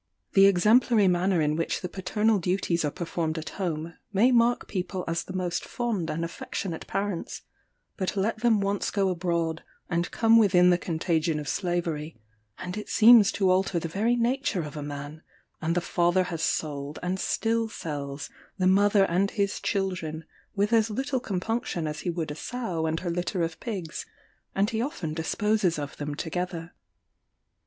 "The exemplary manner in which the paternal duties are performed at home, may mark people as the most fond and affectionate parents; but let them once go abroad, and come within the contagion of slavery, and it seems to alter the very nature of a man; and the father has sold, and still sells, the mother and his children, with as little compunction as he would a sow and her litter of pigs; and he often disposes of them together.